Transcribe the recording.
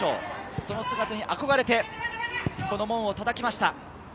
その姿に憧れてこの門をたたきました。